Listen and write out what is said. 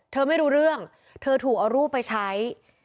ไม่รู้เรื่องเธอถูกเอารูปไปใช้